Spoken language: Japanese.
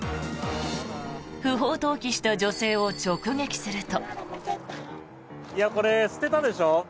不法投棄した女性を直撃すると。